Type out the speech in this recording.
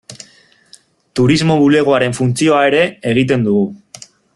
Turismo bulegoaren funtzioa ere egiten dugu.